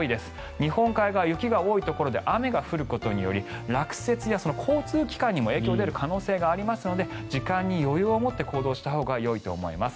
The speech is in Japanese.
日本海側、雪が多いところで雨が降ることにより落雪や交通機関にも影響が出る可能性がありますので時間に余裕を持って行動したほうがよいと思います。